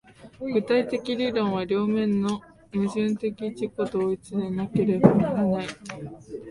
具体的論理は両面の矛盾的自己同一でなければならない。